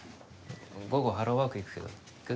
午後ハローワーク行くけど行く？